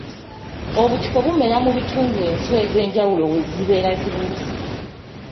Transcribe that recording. Obutiko bumera mu bitundu enswa ez'enjawulo we zibeera zibuuse.